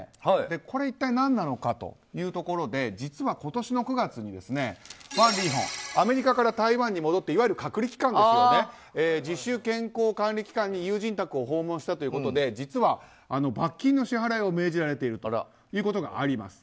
これは一体何なのかというところで実は、今年の９月にワン・リーホンアメリカから台湾に戻っていわゆる隔離機関自主健康管理期間に友人宅を訪問したということで実は罰金の支払いを命じられているということがあります。